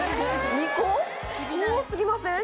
多すぎません？